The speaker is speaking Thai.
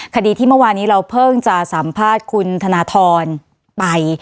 คดีที่เมื่อวานี้เราเพิ่งจะสัมภาษณ์คุณธนทรไป